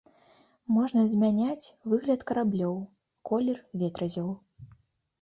Можна змяняць выгляд караблёў, колер ветразяў.